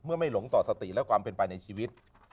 ไม่หลงต่อสติและความเป็นไปในชีวิต